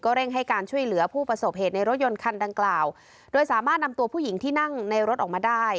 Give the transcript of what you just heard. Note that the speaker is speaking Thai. เร่งให้การช่วยเหลือผู้ประสบเหตุในรถยนต์คันดังกล่าวโดยสามารถนำตัวผู้หญิงที่นั่งในรถออกมาได้